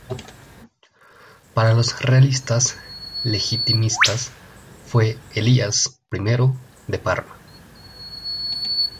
Para los realistas legitimistas fue Elías I de Parma.